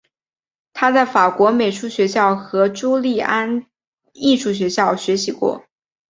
他在法国美术学校和朱利安艺术学校学习过。